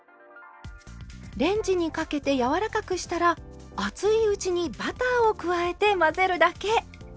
レンジにかけて柔らかくしたら熱いうちにバターを加えて混ぜるだけ。